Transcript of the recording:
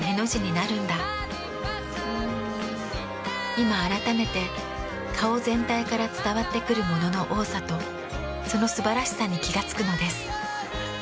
今あらためて顔全体から伝わってくるものの多さとその素晴らしさに気が付くのです。